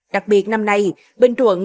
đặc biệt năm nay bình thuận